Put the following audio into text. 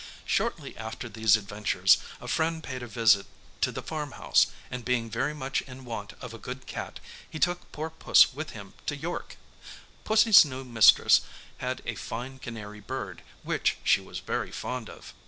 Shortly after these adventures, a friend paid a visit to the farm house, and being very much in want of a good cat, he took poor Puss with him to York. Pussy's new mistress had a fine canary bird, which she was very fond of.